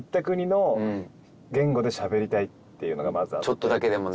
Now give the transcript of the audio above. ちょっとだけでもね。